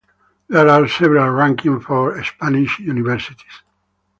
There are several rankings for Spanish Universities.